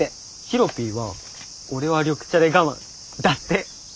ヒロピーは「おれは緑茶でがまん」だって。